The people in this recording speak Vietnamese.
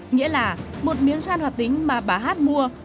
nghĩa là một miếng than hoạt tính mà bà hát mua